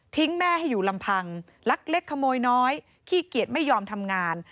แม่ให้อยู่ลำพังลักเล็กขโมยน้อยขี้เกียจไม่ยอมทำงาน